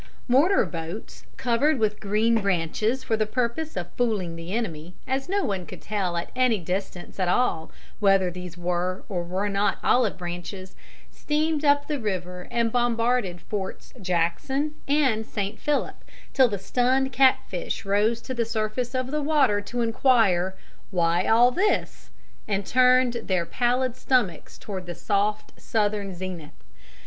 Mortar boats covered with green branches for the purpose of fooling the enemy, as no one could tell at any distance at all whether these were or were not olive branches, steamed up the river and bombarded Forts Jackson and St. Philip till the stunned catfish rose to the surface of the water to inquire, "Why all this?" and turned their pallid stomachs toward the soft Southern zenith.